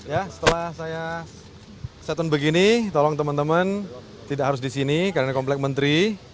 ya setelah saya setun begini tolong teman teman tidak harus di sini karena ini komplek menteri